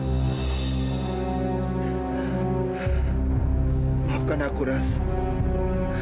aku ini memang tidak bisa berhenti